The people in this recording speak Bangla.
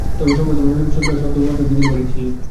তবে সম্ভবত মনোযোগী শ্রোতারা সব শব্দই বুঝিতে পারিয়াছিলেন।